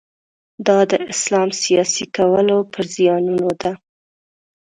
دا د اسلام سیاسي کولو پر زیانونو ده.